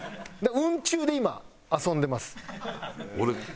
雲中で今遊んでます。